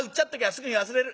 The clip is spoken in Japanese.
すぐに忘れる。